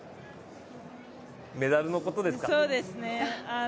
メダルのことですか？